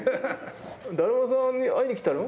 「だるまさんに会いに来たの？」